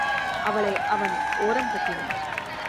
அவளை அவன் ஒரம் கட்டினான்.